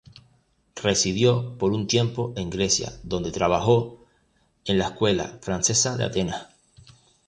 Residió por un tiempo en Grecia, donde trabajó en la Escuela Francesa de Atenas.